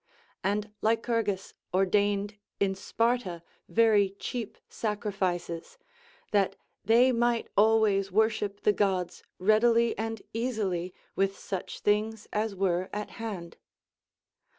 And Lycurgus ordained in Sparta very cheap sacrifices, that they might always worship the Gods readily and easily Avith such things as were at hand.